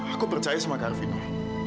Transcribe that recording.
aku percaya sama kak arvino